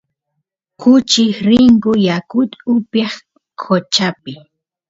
kuchis rinku yakut upyaq qochapi